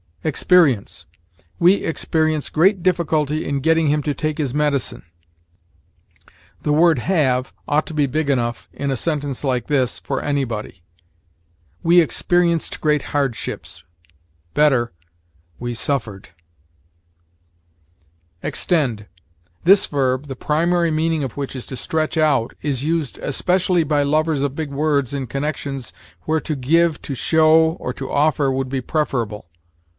EXPERIENCE. "We experience great difficulty in getting him to take his medicine." The word have ought to be big enough, in a sentence like this, for anybody. "We experienced great hardships." Better, "We suffered." EXTEND. This verb, the primary meaning of which is to stretch out, is used, especially by lovers of big words, in connections where to give, to show, or to offer would be preferable.